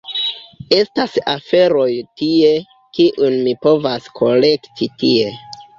Estas aferoj tie, kiujn mi povas kolekti tie…